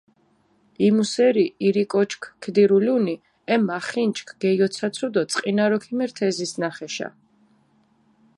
იმუ სერი ირი კოჩქჷ ქიდირულუნი, ე მახინჯქჷ გეიოცაცუ დი წყინარო ქიმერთ ე ზისჷნახეშა.